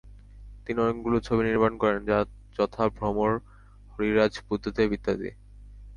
তিনি অনেকগুলি ছবি নির্মাণ করেন, যথা ভ্রমর, হরিরাজ, বুদ্ধদেব ইত্যাদি।